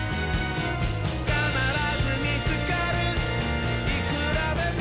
「かならずみつかるいくらでも」